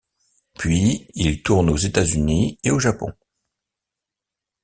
Puis, ils tournent aux États-Unis et au Japon.